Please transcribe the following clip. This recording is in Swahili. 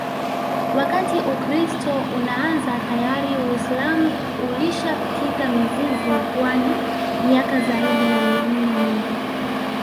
Wakati Ukiristo unaanza tayari uisilamu ulishakita mizizi pwani miaka ziaidi ya mia nne nyuma